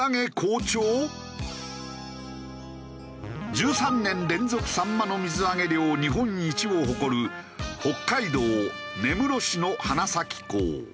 １３年連続サンマの水揚げ量日本一を誇る北海道根室市の花咲港。